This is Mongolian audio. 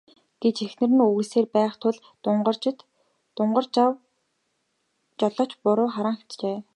гэж эхнэр нь үглэсээр байх тул Дугаржав жолооч буруу харан хэвтжээ.